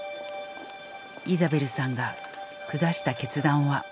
イザベルさんが下した決断は。